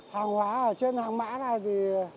hàng hóa ở trên hàng mã này